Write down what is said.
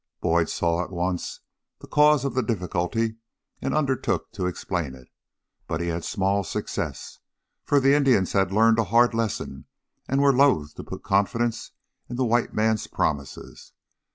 Boyd saw at once the cause of the difficulty and undertook to explain it, but he had small success, for the Indians had learned a hard lesson and were loath to put confidence in the white man's promises.